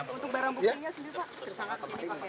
untuk barang buktinya sendiri pak